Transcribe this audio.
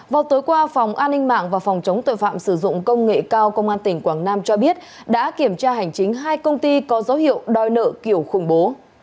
vào tối qua phòng an ninh mạng và phòng chống tội phạm sử dụng công nghệ cao công an tỉnh quảng nam cho biết đã kiểm tra hành chính hai công ty có dấu hiệu đòi nợ kiểu khủng bố